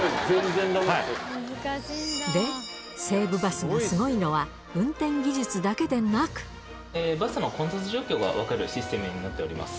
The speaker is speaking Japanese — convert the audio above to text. で、西武バスがすごいのは、バスの混雑状況が分かるシステムになっております。